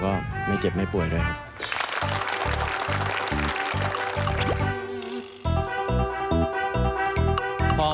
ก็ไม่เจ็บไม่ป่วยด้วยครับ